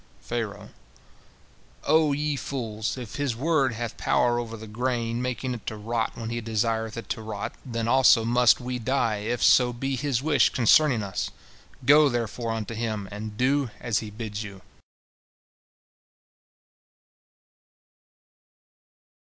Pharaoh: "O ye fools, if his word hath power over the grain, making it to rot when he desireth it to rot, then also must we die, if so be his wish concerning us. Go, therefore, unto him, and do as he bids you."